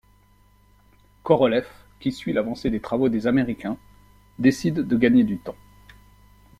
Korolev, qui suit l'avancée des travaux des Américains, décide de gagner du temps.